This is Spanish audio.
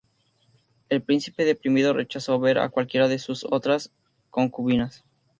El príncipe, deprimido, rechazó ver a cualquiera de sus otras concubinas.